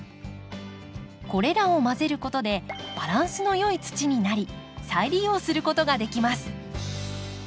これらを混ぜることでバランスの良い土になり再利用することができます。